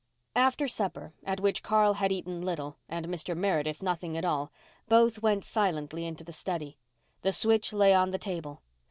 After supper, at which Carl had eaten little and Mr. Meredith nothing at all, both went silently into the study. The switch lay on the table.